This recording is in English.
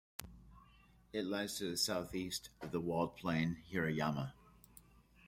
It lies to the southeast of the walled plain Hirayama.